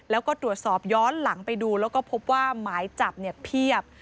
แล้วก็ตรวจสอบย้อนหลังไปดูแล้วก็พบว่าหมายจับเนี่ยเพียบ